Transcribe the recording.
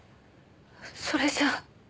それじゃあ。